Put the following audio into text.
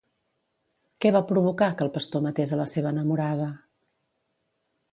Què va provocar que el pastor matés a la seva enamorada?